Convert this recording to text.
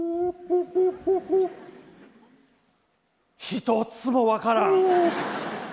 一つも分からん。